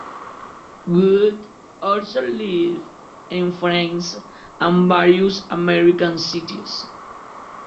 Wood also lived in France and various American cities.